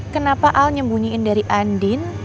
kenapa al nyembunyiin dari andin